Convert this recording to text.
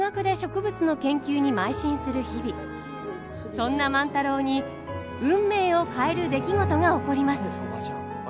そんな万太郎に運命を変える出来事が起こります。